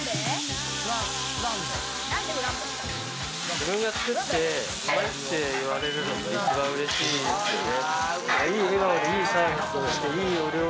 自分が作って、うまいって言われるのが一番嬉しいですよね。